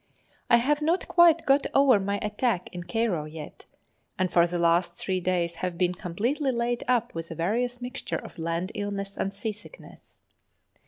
I have not quite got over my attack in Cairo yet, and for the last three days have been completely laid up with a various mixture of land illness and sea sickness.